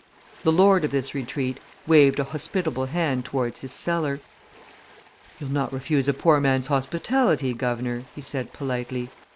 The lord of this retreat waved a hospitable hand towards his cellar. "You'll not refuse a poor man's hospitality, guv'nor?" he said politely.